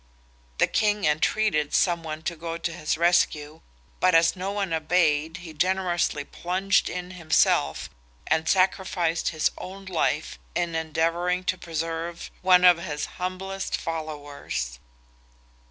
The King entreated some one to go to his rescue, but as no one obeyed he generously plunged in himself and sacrificed his own life in endeavouring to preserve one of his humblest followers.